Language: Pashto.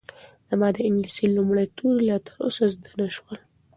زما د انګلیسي لومړي توري لا تر اوسه زده نه شول.